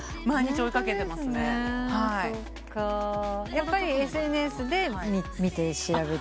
やっぱりＳＮＳで見て調べて？